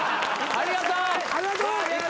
ありがとう！